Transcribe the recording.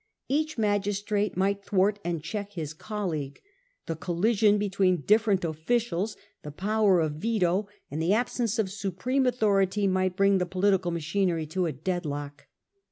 Each magistrate might thwart and check his colleague ; the collision between different officials, the power of veto, and the absence of supreme authority might bring the political ma chinery to a dead lock.